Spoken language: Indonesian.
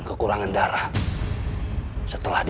tetapi jangan muncul di payudara lagi